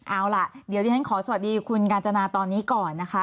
เอาล่ะเดี๋ยวดิฉันขอสวัสดีคุณกาญจนาตอนนี้ก่อนนะคะ